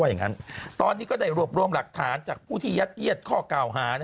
อย่างนั้นตอนนี้ก็ได้รวบรวมหลักฐานจากผู้ที่ยัดเยียดข้อกล่าวหา